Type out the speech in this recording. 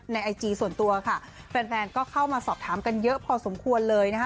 ไอจีส่วนตัวค่ะแฟนแฟนก็เข้ามาสอบถามกันเยอะพอสมควรเลยนะคะ